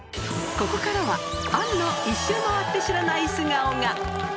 ここからは杏の１周回って知らない素顔が。